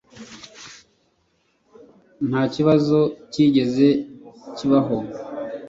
Nta kibazo cyigeze kibaho